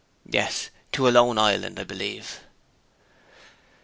'Yes, to a lone island, I believe.'